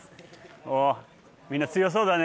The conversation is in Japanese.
おみんな強そうだね。